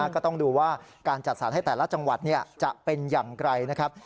ก็ต้องดูว่าการจัดสรรให้แต่ละจังหวัดจะเป็นอย่างไรนะครับ